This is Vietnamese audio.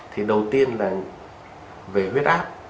thì đầu tiên là về huyết áp